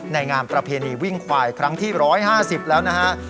งานประเพณีวิ่งควายครั้งที่๑๕๐แล้วนะฮะ